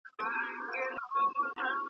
کاروان په زړه کې شنه سپوږمۍ ویني.